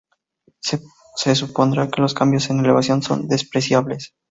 Se supondrá que los cambios en elevación son despreciables.